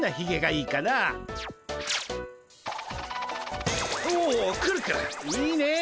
いいねっ！